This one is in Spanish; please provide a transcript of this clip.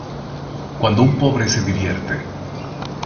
Cuando un pobre se divierte